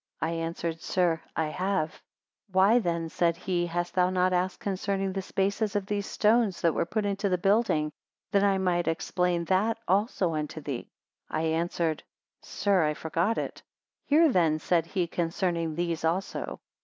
I answered, sir, I have. 278 Why then, said he, hast thou not asked concerning the spaces of these stones that were put in the building, that I may explain that also unto thee? I answered, sir, I forgot it. Hear, then, said he, concerning these also.